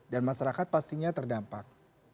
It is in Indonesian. dan masyarakat pastinya terdampak